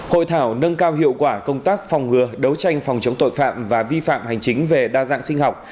hội thảo nâng cao hiệu quả công tác phòng ngừa đấu tranh phòng chống tội phạm và vi phạm hành chính về đa dạng sinh học